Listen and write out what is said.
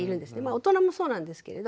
大人もそうなんですけれど。